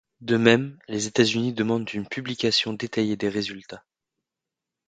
De même, les États-Unis demandent une publication détaillée des résultats.